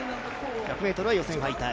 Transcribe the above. １００ｍは予選敗退。